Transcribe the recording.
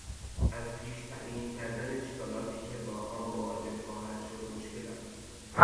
از پیش تعیین کردن اشکالاتی که با آن مواجه خواهد شد مشکل است.